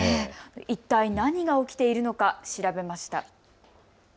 一体何が起きているのか調べました。